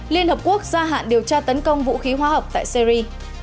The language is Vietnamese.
liên hợp quốc gia hạn điều tra tấn công vũ khí hóa học tại syri